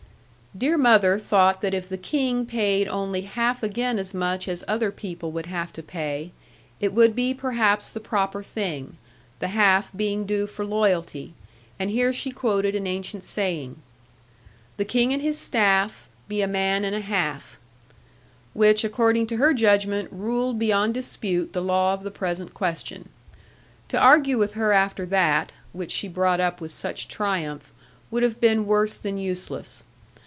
Dear mother thought that if the King paid only half again as much as other people would have to pay, it would be perhaps the proper thing; the half being due for loyalty: and here she quoted an ancient saying, The King and his staff. Be a man and a half: which, according to her judgment, ruled beyond dispute the law of the present question. To argue with her after that (which she brought up with such triumph) would have been worse than useless.